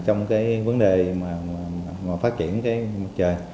trong vấn đề phát triển mặt trời